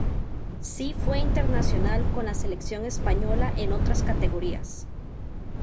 Sí fue internacional con la Selección Española en otras categorías.